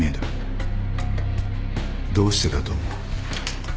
どうしてだと思う？